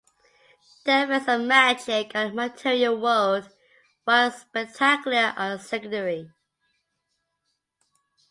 The effects of magic on the material world, while spectacular, are secondary.